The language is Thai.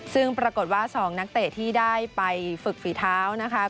ซึ่งปรากฏว่า๒นักเตะที่ได้ไปฝึกฝีเท้านะคะ